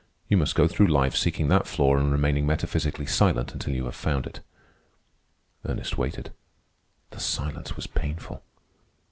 You must go through life seeking that flaw and remaining metaphysically silent until you have found it." Ernest waited. The silence was painful.